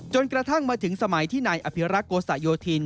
กระทั่งมาถึงสมัยที่นายอภิรักษ์โกสะโยธิน